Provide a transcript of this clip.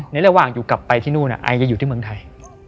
ในระหว่างอยู่กลับไปที่นู่นไอจะอยู่ที่เมืองไทย